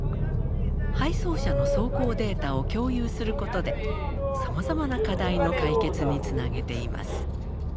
配送車の走行データを共有することでさまざまな課題の解決につなげています。